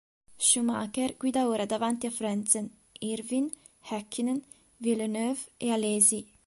Schumacher guida ora davanti a Frentzen, Irvine, Häkkinen, Villeneuve e Alesi.